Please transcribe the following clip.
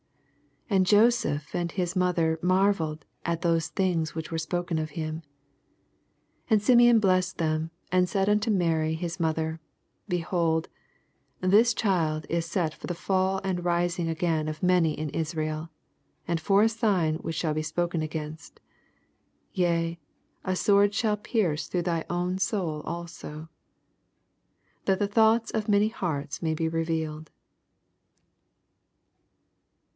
83 Ana Joseph and his mother mar velled at those things yhich were spoken of him. 84 And Simeon blessed them, and said unto Mary his mother, Benold, this ehUd is set for the fUl and rising i^ain of many in Israel ; and for a sign which shall be spoken against ; 85 (Yea, a sword shall pieroo through thy own soul also,) that the thoughts of many hearts may be re vealed.